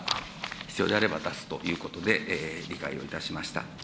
必要であれば出すということで、理解をいたしました。